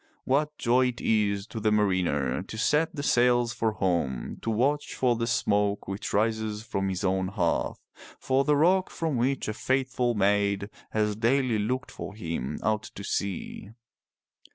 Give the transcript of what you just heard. What joy it is to the mariner to set the sails for home, to 348 FROM THE TOWER WINDOW watch for the smoke which rises from his own hearth, for the rock from which a faithful maid has daily looked for him out to sea.